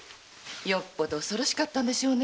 よっぽど恐ろしかったんでしょうね。